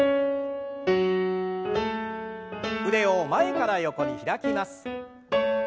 腕を前から横に開きます。